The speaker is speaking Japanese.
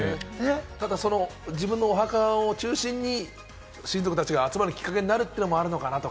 自分のお墓を中心に親族たちが集まるきっかけになるっていうのもあるのかなって。